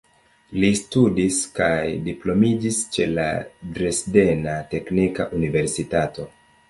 Li studis kaj diplomiĝis ĉe la Dresdena Teknika Universitato.